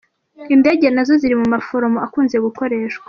Indege nazo ziri mu maforoma akunze gukoreshwa.